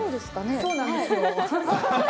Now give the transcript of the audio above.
そうなんですよ。